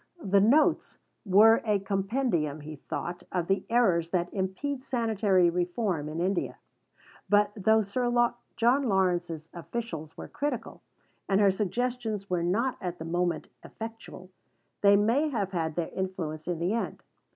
The "Notes" were a compendium, he thought, of the errors that impede sanitary reform in India. But though Sir John Lawrence's officials were critical, and her suggestions were not at the moment effectual, they may have had their influence in the end.